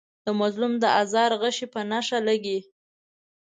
د مظلوم د آزار غشی په نښه لګي.